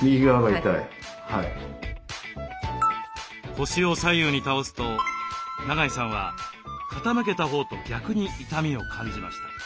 腰を左右に倒すと長井さんは傾けたほうと逆に痛みを感じました。